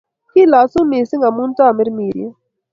Kilosun mising' amu Tamirmiriet